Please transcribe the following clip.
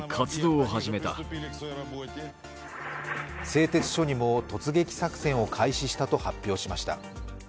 製鉄所にも突撃作戦を開始したと発表しました。